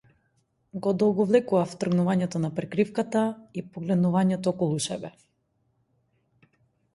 Го одолговлекував тргнувањето на прекривката и погледнувањето околу себе.